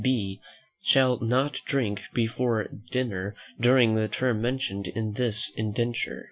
B. shall not drink before dinner during the term mentioned in this indenture."